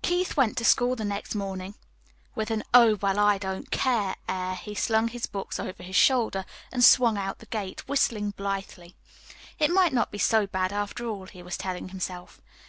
Keith went to school the next morning. With an oh well I don't care air he slung his books over his shoulder and swung out the gate, whistling blithely. It might not be so bad, after all, he was telling himself.